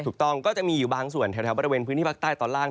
ก็จะมีอยู่บางส่วนแถวบริเวณพื้นที่ภาคใต้ตอนล่าง